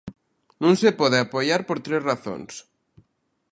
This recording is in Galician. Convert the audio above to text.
Non se pode apoiar por tres razóns.